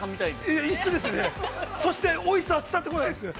そして、おいしさは伝わってこないです。